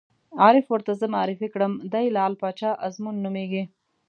عارف ور ته زه معرفي کړم: دی لعل باچا ازمون نومېږي.